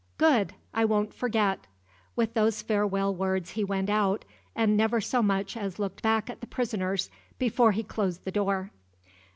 Good! I won't forget!" With those farewell words he went out, and never so much as looked back at the prisoners before he closed the door.